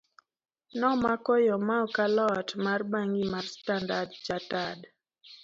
nomako yo ma okalo ot mar bangi mar Standard Chartered